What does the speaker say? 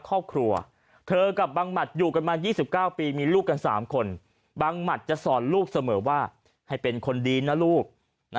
ครอบครัวเธอกับบังหมัดอยู่กันมา๒๙ปีมีลูกกัน๓คนบังหมัดจะสอนลูกเสมอว่าให้เป็นคนดีนะลูก